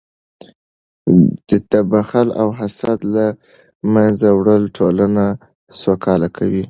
د بخل او حسد له منځه وړل ټولنه سوکاله کوي.